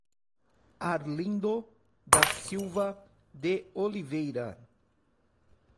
Arlindo da Silva de Oliveira